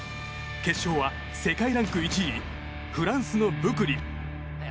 決勝は世界ランク１位フランスのブクリ。